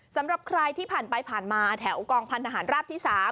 สำหรับใครที่ผ่านไปผ่านมาแถวกองพันธหารราบที่๓